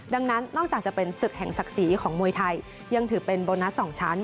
ดังนั้นนอกจากจะเป็นศึกแห่งศักดิ์ศรีของมวยไทยยังถือเป็นโบนัส๒ชั้น